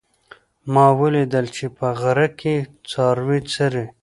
ما ولیدل چې په غره کې څاروي څري